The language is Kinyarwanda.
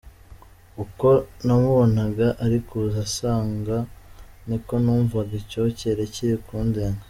Uko namubonaga ari kuza ansanga, niko numvaga icyokere kiri kundenga.